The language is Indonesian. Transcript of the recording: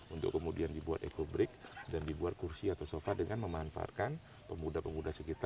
untuk kemudian dibuat eco break dan dibuat kursi atau sofa dengan memanfaatkan pemuda pemuda sekitar